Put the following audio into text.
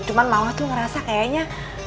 cuma mama tuh ngerasa kayaknya